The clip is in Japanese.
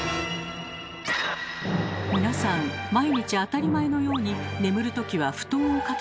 皆さん毎日当たり前のように眠るときは布団をかけますよね。